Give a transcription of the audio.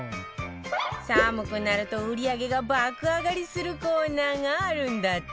寒くなると売り上げが爆上がりするコーナーがあるんだって